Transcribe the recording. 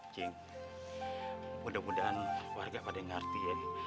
cing mudah mudahan warga pada ngerti ya